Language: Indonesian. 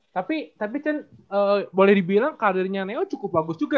tapi tapi kan boleh dibilang karirnya neo cukup bagus juga